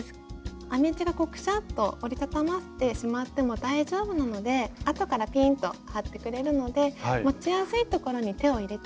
編み地がくしゃっと折り畳まってしまっても大丈夫なのであとからピーンと張ってくれるので持ちやすいところに手を入れて。